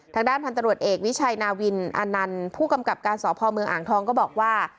ทางด้านพันตรวจเอกวิชัยนาวินอานันต์ผู้กำกับการสพเมืองอ่างทองก็บอกว่า